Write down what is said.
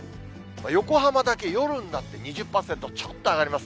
横浜だけ夜になって２０％、ちょっと上がります。